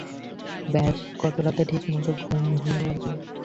ব্যাস গতরাতে ঠিকমত ঘুম হয়নি আরকি।